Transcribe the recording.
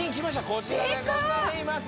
こちらでございます！